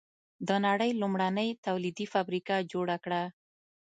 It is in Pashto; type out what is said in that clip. د نړۍ لومړنۍ تولیدي فابریکه جوړه کړه.